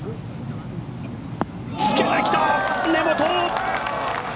つけてきた、根元！